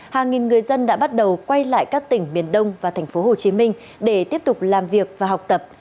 hàng nghìn người dân đã bắt đầu quay lại các tỉnh miền đông và tp hcm để tiếp tục làm việc và học tập